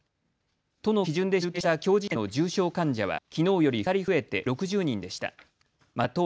都の基準で集計したきょう時点の重症患者はきのうより２人増えて６０人でした。